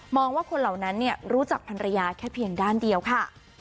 ว่าคนเหล่านั้นรู้จักภรรยาแค่เพียงด้านเดียวค่ะ